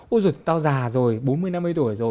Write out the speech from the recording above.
ôi dồi tao già rồi bốn mươi năm mươi tuổi rồi